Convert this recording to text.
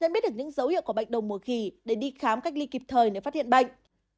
nên biết được những dấu hiệu của bệnh động mùa khỉ để đi khám cách ly kịp thời để phát hiện bệnh